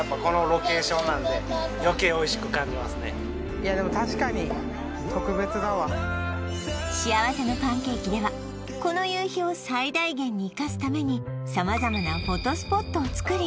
いやでも確かに特別だわ幸せのパンケーキではこの夕日を最大限にいかすために様々なフォトスポットを作り